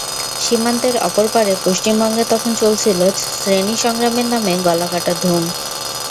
সীমান্তের অপর পারে পশ্চিমবঙ্গে তখন চলছিল শ্রেণিসংগ্রামের নামে গলা কাটার ধুম।